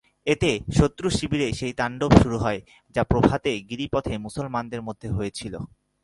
এতে শত্রু-শিবিরে সেই তাণ্ডব শুরু হয়, যা প্রভাতে গিরিপথে মুসলমানদের মধ্যে হয়েছিল।